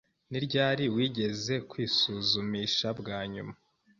Ni ryari wigeze kwisuzumisha bwa nyuma?